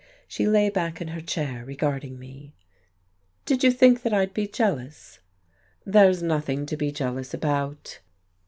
She lay back in her chair, regarding me. "Did you think that I'd be jealous?" "There's nothing to be jealous about."